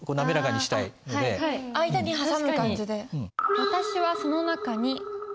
間に挟む感じで。